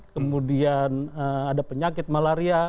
kemudian ada penyakit malaria